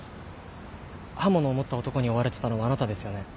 刃物を持った男に追われてたのはあなたですよね？